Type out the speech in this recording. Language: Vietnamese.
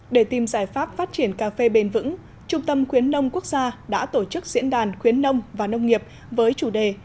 để tìm giải pháp phát triển cà phê bền vững trung tâm khuyến nông quốc gia đã tổ chức diễn đàn khuyến nông và nông nghiệp với chủ đề